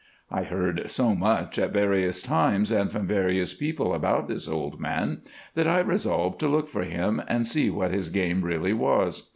I heard so much at various times and from various people about this old man that I resolved to look for him and see what his game really was.